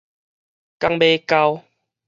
港尾溝